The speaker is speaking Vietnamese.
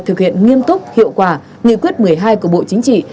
thực hiện nghiêm túc hiệu quả nghị quyết một mươi hai của bộ chính trị